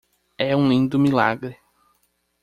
É um lindo milagre.